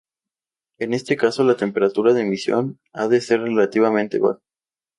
En este caso, la temperatura de emisión ha de ser relativamente baja.